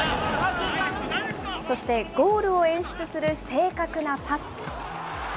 そしてゴールを演出する正確なパス。